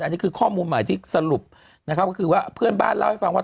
อันนี้คือข้อมูลใหม่ที่สรุปนะครับก็คือว่าเพื่อนบ้านเล่าให้ฟังว่า